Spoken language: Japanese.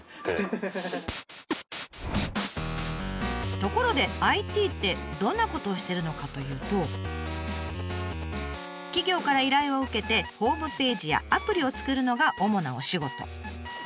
ところでＩＴってどんなことをしてるのかというと企業から依頼を受けてホームページやアプリを作るのが主なお仕事。